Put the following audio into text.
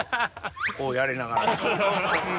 こうやりながら。